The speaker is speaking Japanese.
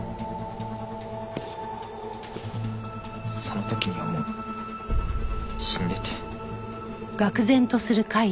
その時にはもう死んでて。